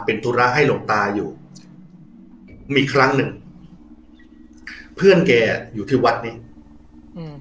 เป็นธุระให้หลวงตาอยู่มีครั้งหนึ่งเพื่อนแกอยู่ที่วัดนี้อืม